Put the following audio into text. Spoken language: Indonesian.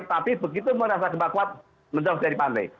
tapi begitu merasa gempa kuat menjauh dari pantai